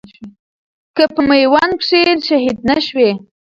که په ميوند کښي شهيد نه شوې